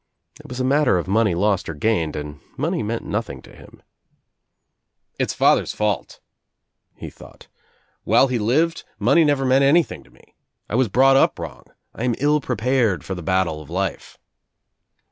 It was a matter of money lost or gained and money meant nothing to him. "It's father's fault,'* he thought. "While he lived money never meant any thing to me. I was brought up wrong. I am ill pre pared for the battle of life."